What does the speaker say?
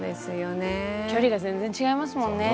距離が全然違いますもんね。